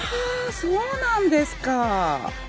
そうなんですか。